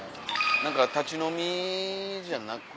何か立ち飲みじゃなく。